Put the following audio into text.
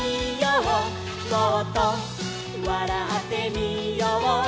「もっとわらってみよう」